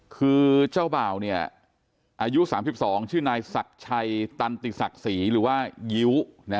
คือเจ้าบ่าวอายุ๓๒ชื่อนายศักดิ์ชัยตันติศักดิ์ศรีหรือว่ายิ้ว